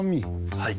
はい。